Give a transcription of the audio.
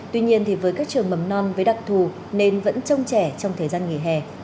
tuy nhiên với các trường mầm non với đặc thù nên vẫn trông trẻ trong thời gian nghỉ hè